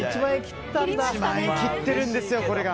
切ってるんですよ、これが。